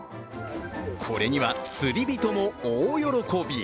これには釣り人も大喜び。